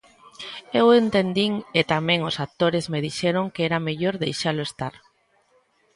Eu entendín e tamén os actores me dixeron que era mellor deixalo estar.